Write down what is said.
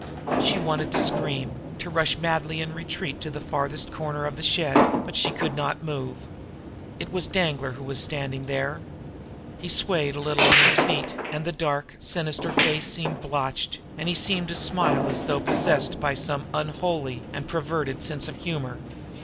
She wanted to scream, to rush madly in retreat to the farthest corner of the shed; but she could not move. It was Danglar who was standing there. He seemed to sway a little on his feet, and the dark, sinister face seemed blotched, and he seemed to smile as though possessed of some unholy and perverted sense of humor.